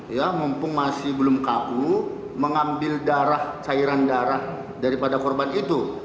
ya mumpung masih belum kaku mengambil darah cairan darah daripada korban itu